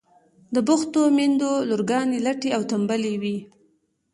د بوختو میندو لورگانې لټې او تنبلې وي.